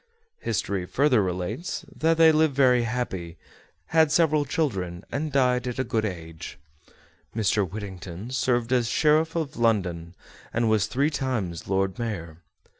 History further relates that they lived very happy, had several children, and died at a good old age. Mr. Whittington served as Sheriff of London and was three times Lord Mayor.